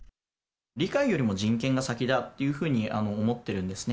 理解よりも人権が先だっていうふうに思ってるんですね。